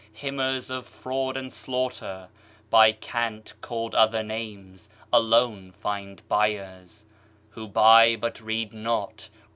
Hymners of fraud and slaughter, By cant called other names, alone find buyers Who buy, but read not.